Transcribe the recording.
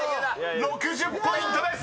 ６０ポイントです］